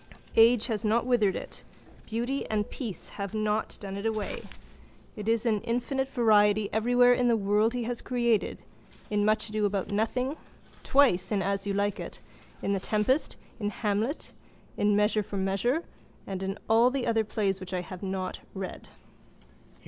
Age has not withered it. Beauty and peace have not done it away. It is in infinite variety everywhere in the world he has created, in Much Ado about Nothing, twice in As you like It, in The Tempest, in Hamlet, in Measure for Measure—and in all the other plays which I have not read.